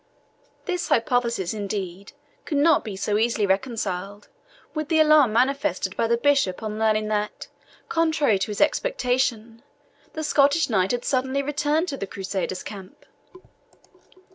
This hypothesis, indeed, could not be so easily reconciled with the alarm manifested by the bishop on learning that, contrary to his expectation, the Scottish knight had suddenly returned to the Crusaders' camp.